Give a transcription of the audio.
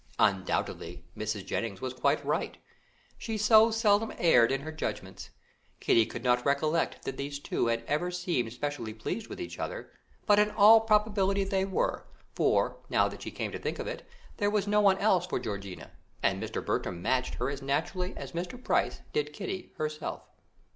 Undoubtedly Mrs. Jennings was quite right; she so seldom erred in her judgments! Kitty could not recollect that those two had ever seemed specially pleased with each other, but in all probability they were, for, now that she came to think of it, there was no one else for Georgiana, and Mr. Bertram matched her as naturally as Mr. Price did Kitty herself.